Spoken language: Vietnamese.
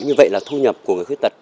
như vậy là thu nhập của người khuyết tật